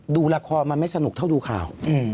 ดูละครมันไม่สนุกเท่าดูข่าว